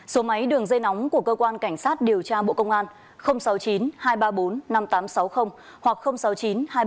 số máy đường dây nóng của cơ quan cảnh sát điều tra bộ công an sáu mươi chín hai trăm ba mươi bốn năm nghìn tám trăm sáu mươi hoặc sáu mươi chín hai trăm ba mươi một hai nghìn sáu trăm bảy